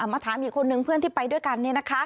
มาถามอีกคนนึงเพื่อนที่ไปด้วยกัน